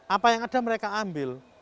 apa yang ada mereka ambil